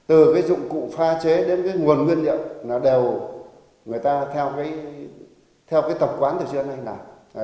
từ cái dụng cụ pha chế đến cái nguồn nguyên liệu nó đều người ta theo cái tập quán thực hiện hay nào